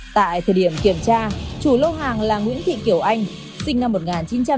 tại thời điểm kiểm tra chủ lâu hàng là nguyễn thị kiểu anh sinh năm một nghìn chín trăm chín mươi một